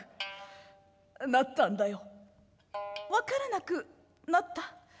「分からなくなった？」。